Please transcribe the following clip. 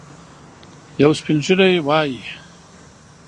یو سپین ږیری وايي.